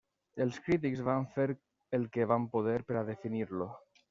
Els crítics van fer el que van poder per a definir-lo.